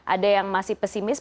ada yang masih pesimis